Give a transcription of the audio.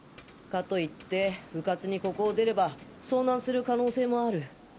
かといってうかつにここを出れば遭難する可能性もある。